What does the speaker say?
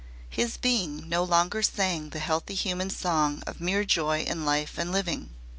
His being no longer sang the healthy human song of mere joy in life and living.